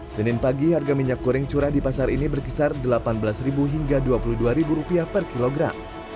senin pagi harga minyak goreng curah di pasar ini berkisar rp delapan belas hingga rp dua puluh dua per kilogram